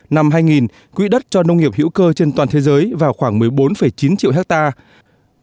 năm hai nghìn quỹ đất cho nông nghiệp hữu cơ trên toàn thế giới vào khoảng một mươi bốn chín triệu hectare